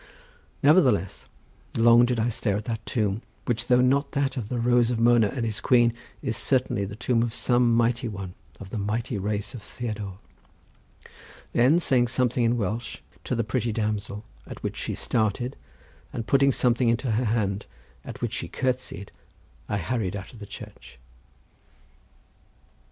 Nevertheless, long did I stare at that tomb which, though not that of the Rose of Mona and his queen, is certainly the tomb of some mighty one of the mighty race of Theodore—then saying something in Welsh to the pretty damsel at which she started, and putting something into her hand, at which she curtseyed, I hurried out of the church.